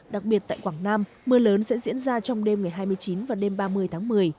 đặc biệt tại quảng nam mưa lớn sẽ diễn ra trong đêm ngày hai mươi chín và đêm ba mươi tháng một mươi